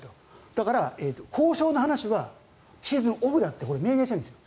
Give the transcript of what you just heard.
だから交渉の話はシーズンオフにやると明言してるんです。